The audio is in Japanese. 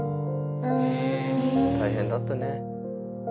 大変だったね。